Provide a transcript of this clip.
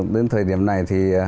đến thời điểm này